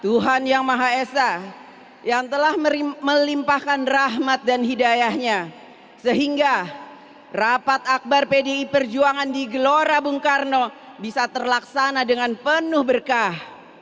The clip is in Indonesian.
tuhan yang maha esa yang telah melimpahkan rahmat dan hidayahnya sehingga rapat akbar pdi perjuangan di gelora bung karno bisa terlaksana dengan penuh berkah